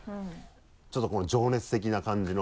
ちょっと情熱的な感じの。